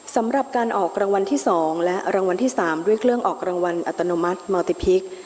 สำหรับการออกรางวัลที่๒และรางวัลที่๓ด้วยเครื่องออกรางวัลอัตโนมัติมาติพิษ